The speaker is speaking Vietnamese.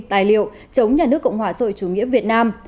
tài liệu chống nhà nước cộng hòa rồi chủ nghĩa việt nam